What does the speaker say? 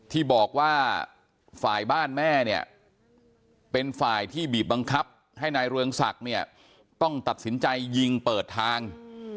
ที่บอกว่าฝ่ายบ้านแม่เนี่ยเป็นฝ่ายที่บีบบังคับให้นายเรืองศักดิ์เนี่ยต้องตัดสินใจยิงเปิดทาง